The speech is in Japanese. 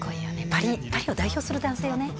パリを代表する男性よね。